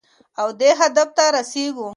او دې هدف ته رسېږو.